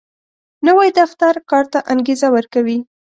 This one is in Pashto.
نوی دفتر کار ته انګېزه ورکوي